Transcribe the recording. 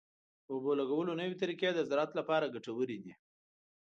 د اوبو لګولو نوې طریقې د زراعت لپاره ګټورې دي.